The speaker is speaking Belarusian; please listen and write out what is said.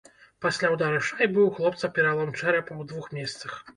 Пасля ўдару шайбы ў хлопца пералом чэрапа ў двух месцах.